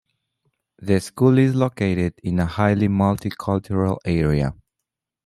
The school is located in a highly multicultural area.